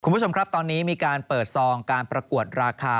คุณผู้ชมครับตอนนี้มีการเปิดซองการประกวดราคา